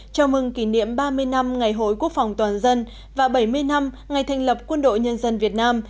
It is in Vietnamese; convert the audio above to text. chào mừng kỷ niệm ba mươi năm ngày hội quốc phòng toàn dân và bảy mươi năm ngày thành lập quân đội nhân dân việt nam